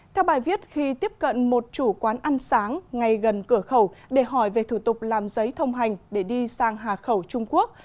theo bài viết khi tiếp cận một chủ quán ăn sáng ngay gần cửa khẩu để hỏi về thủ tục làm giấy thông hành để đi sang hà khẩu trung quốc